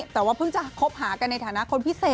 แต่ว่าเพิ่งจะคบหากันในฐานะคนพิเศษ